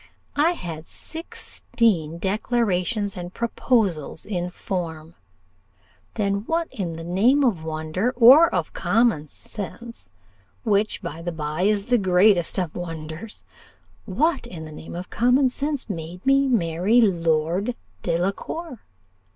I had sixteen declarations and proposals in form; then what in the name of wonder, or of common sense which by the bye is the greatest of wonders what, in the name of common sense, made me marry Lord Delacour?